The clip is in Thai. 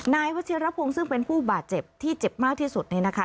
นายวัชิรพงศ์ซึ่งเป็นผู้บาดเจ็บที่เจ็บมากที่สุดเนี่ยนะคะ